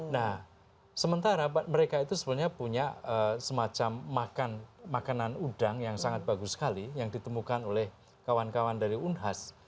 nah sementara mereka itu sebenarnya punya semacam makanan udang yang sangat bagus sekali yang ditemukan oleh kawan kawan dari unhas